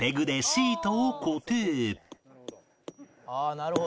「ああなるほど」